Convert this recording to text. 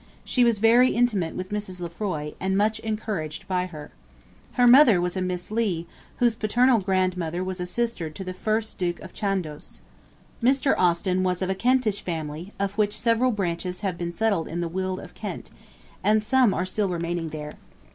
She was very intimate with Mrs. Lefroy, and much encouraged by her. Her mother was a Miss Leigh, whose paternal grandmother was sister to the first Duke of Chandos. Mr. Austen was of a Kentish family, of which several branches have been settled in the Weald of Kent, and some are still remaining there.